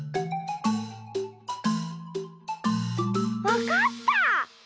わかった！